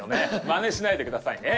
マネしないでくださいね。